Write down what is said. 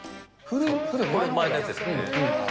これ、前のやつですよね。